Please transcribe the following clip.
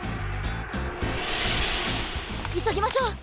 いそぎましょう！